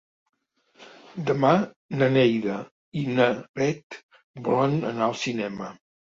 Demà na Neida i na Bet volen anar al cinema.